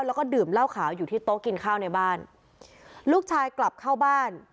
แล้วก็ดื่มเหล้าขาวอยู่ที่โต๊ะกินข้าวในบ้านลูกชายกลับเข้าบ้าน